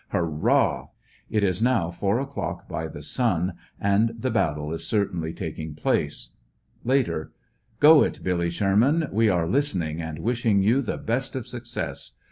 Hurrah! It is now four o'clock by the sun and the bat tle is certainly taking place. Latek. — Go it Billy Sherman, we are listening and wishing you the best of success.